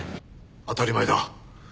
当たり前だ。